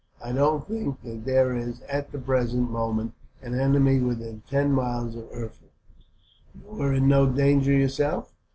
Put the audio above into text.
I don't think that there is, at the present moment, an enemy within ten miles of Erfurt." "You were in no danger, yourself?"